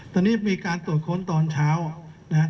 ตอนนี้มีการตรวจค้นตอนเช้านะครับ